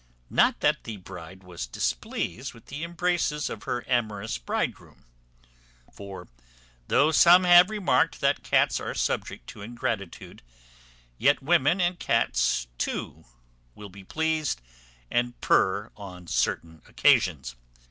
Not that the bride was displeased with the embraces of her amorous bridegroom; for, though some have remarked that cats are subject to ingratitude, yet women and cats too will be pleased and purr on certain occasions.